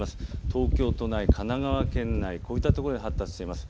東京都内、神奈川県内、こういったところで発達しています。